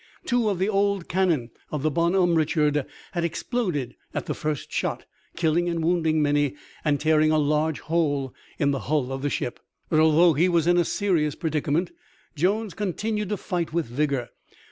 Two of the old cannon of the Bonhomme Richard had exploded at the first shot, killing and wounding many and tearing a large hole in the hull of the ship. But although he was in a serious predicament Jones continued to fight with vigor.